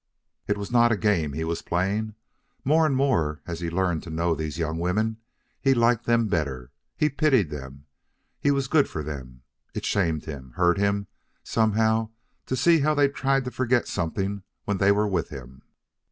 It was not a game he was playing. More and more, as he learned to know these young women, he liked them better, he pitied them, he was good for them. It shamed him, hurt him, somehow, to see how they tried to forget something when they were with him.